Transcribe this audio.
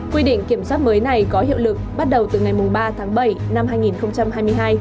quy định kiểm soát mới này có hiệu lực bắt đầu từ ngày ba tháng bảy năm hai nghìn hai mươi hai